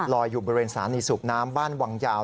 อยู่บริเวณสถานีสูบน้ำบ้านวังยาว